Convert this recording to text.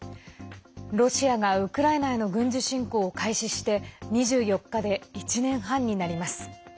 ロシアがウクライナへの軍事侵攻を開始して２４日で１年半になります。